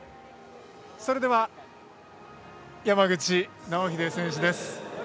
それでは、山口尚秀選手です。